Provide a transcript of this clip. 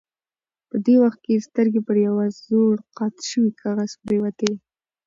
په دې وخت کې یې سترګې پر یوه زوړ قات شوي کاغذ پرېوتې.